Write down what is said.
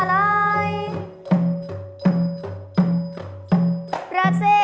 ธรรมดา